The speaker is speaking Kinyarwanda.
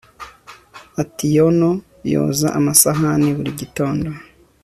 atieno yoza amasahani, buri gitondo